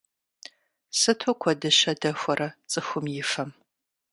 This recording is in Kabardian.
Сыту куэдыщэ дэхуэрэ цӏыхум и фэм…